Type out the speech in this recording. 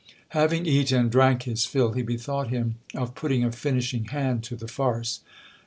Having eat and drank his fill, he bethought him of putting a finishing hand to the farce.